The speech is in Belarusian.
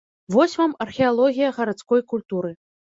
Вось вам археалогія гарадской культуры.